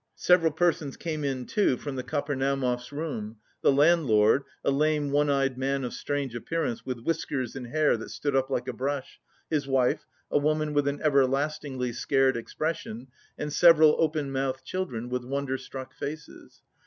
Several persons came in too from the Kapernaumovs' room; the landlord, a lame one eyed man of strange appearance with whiskers and hair that stood up like a brush, his wife, a woman with an everlastingly scared expression, and several open mouthed children with wonder struck faces.